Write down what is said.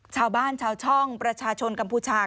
ชาวบ้านชาวช่องประชาชนกัมพูชา